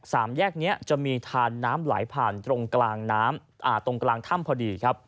สามแยกนี้จะมีทานน้ำไหลผ่านตรงกลางถ้ำพอดี